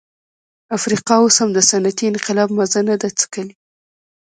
افریقا اوس هم د صنعتي انقلاب مزه نه ده څکلې.